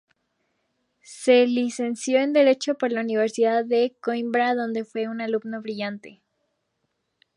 Se licenció en Derecho por la Universidad de Coímbra donde fue un alumno brillante.